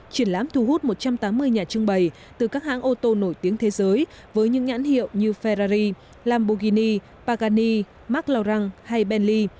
triển lãm thu hút một trăm tám mươi nhà trưng bày từ các hãng ô tô nổi tiếng thế giới với những nhãn hiệu như ferrari lambogini pagani marklaur hay benly